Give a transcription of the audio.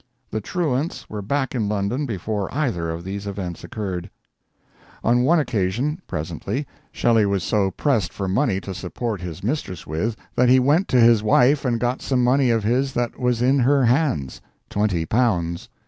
The truants were back in London before either of these events occurred. On one occasion, presently, Shelley was so pressed for money to support his mistress with that he went to his wife and got some money of his that was in her hands twenty pounds.